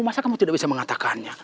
masa kamu tidak bisa mengatakannya